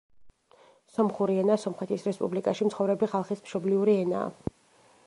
სომხური ენა სომხეთის რესპუბლიკაში მცხოვრები ხალხის მშობლიური ენაა.